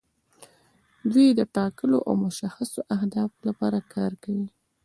دوی د ټاکلو او مشخصو اهدافو لپاره کار کوي.